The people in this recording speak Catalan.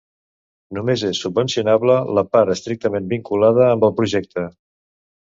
Només és subvencionable la part estrictament vinculada amb el projecte.